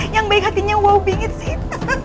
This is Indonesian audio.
yang baik hatinya wow banget sih